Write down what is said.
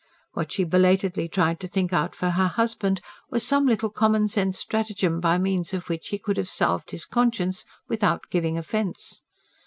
What she belatedly tried to think out for her husband was some little common sense stratagem by means of which he could have salved his conscience, without giving offence.